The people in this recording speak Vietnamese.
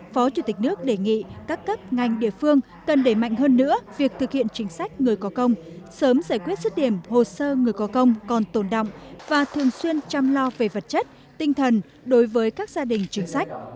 phó chủ tịch nước đề nghị các cấp ngành địa phương cần đẩy mạnh hơn nữa việc thực hiện chính sách người có công sớm giải quyết xuất điểm hồ sơ người có công còn tồn động và thường xuyên chăm lo về vật chất tinh thần đối với các gia đình chính sách